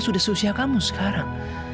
sudah seusia kamu sekarang